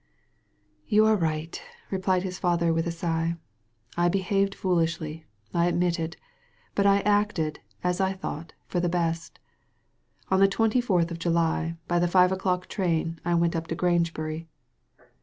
You are right," replied his father, with a sigh. "I behaved foolishly, I admit; but I acted, as I thought, for the best On the twenty fourth of July, by the five o'clock train, I went up to Grangebury."